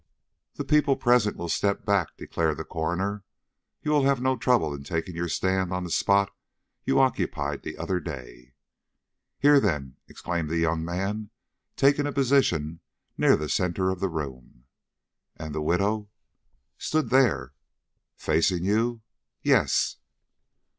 "The people present will step back," declared the coroner; "you will have no trouble in taking your stand on the spot you occupied the other day." "Here, then!" exclaimed the young man, taking a position near the centre of the room. "And the widow?" "Stood there." "Facing you?" "Yes."